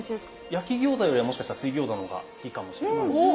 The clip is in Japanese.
焼き餃子よりはもしかしたら水餃子の方が好きかもしれませんね。